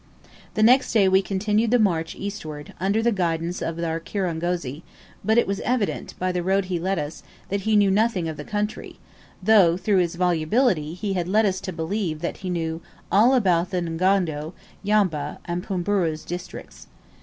The next day we continued the march eastward, under the guidance of our kirangozi; but it was evident, by the road he led us, that he knew nothing of the country, though, through his volubility, he had led us to believe that he knew all about Ngondo, Yombeh, and Pumburu's districts.